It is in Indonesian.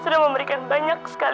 sudah memberikan banyak kekuatan